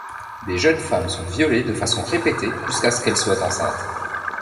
Des jeunes femmes sont violées de façon répétée jusqu’à ce qu’elles soient enceintes.